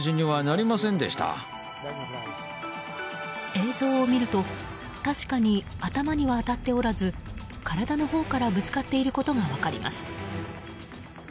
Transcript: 映像を見ると、確かに頭には当たっておらず体のほうからぶつかっていることが分かります。